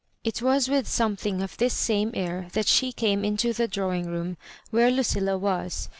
It was with something of this same air that she came into the drawing room, where Lucillii was.